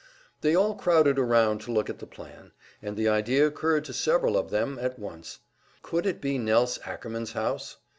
They all crowded around to look at the plan, and the idea occurred to several of them at once: Could it be Nelse Ackerman's house?